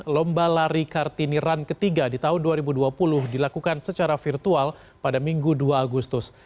lomba lari kartini run ketiga di tahun dua ribu dua puluh dilakukan secara virtual pada minggu dua agustus